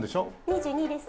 ２２です。